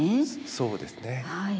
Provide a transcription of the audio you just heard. そうですね。